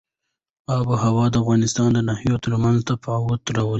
آب وهوا د افغانستان د ناحیو ترمنځ تفاوتونه راولي.